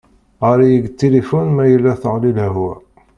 Ɣer-iyi deg tilifun ma yella teɣli lehwa.